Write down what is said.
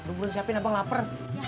gue belum siapin abang lapar